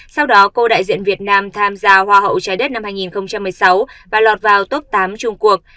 sau đó cô đại diện việt nam tham gia hoa hậu trái đất năm hai nghìn một mươi sáu và lọt vào top tám trung quốc